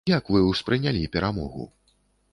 Як вы ўспрынялі перамогу?